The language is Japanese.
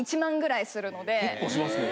結構しますね。